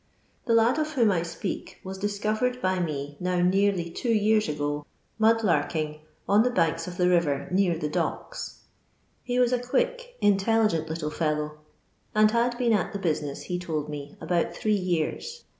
The kd of whom I speak was discovered by me now nsariy two years ago " mud larking" on the banks of the river near the docks. He was a quick, intelligent little fellow, and had been at the bosbess, he told me, about three years.